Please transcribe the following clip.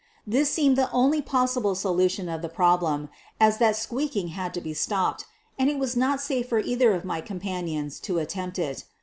This seemed the only possible solution of the problem, as that squeaking had to be stopped, and it was not safe for either of my companions to at tempt it.